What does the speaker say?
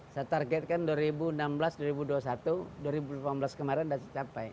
saya targetkan dua ribu enam belas dua ribu dua puluh satu dua ribu delapan belas kemarin sudah tercapai